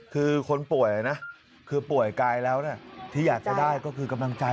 คือคนป่วยนะคือป่วยกายแล้วที่อยากจะได้ก็คือกำลังใจ